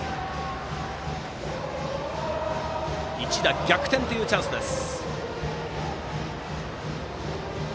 一打逆転というチャンスです。